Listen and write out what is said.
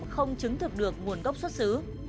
không chứng thực được nguồn gốc xuất xứ